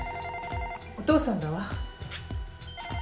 お父さんだわ。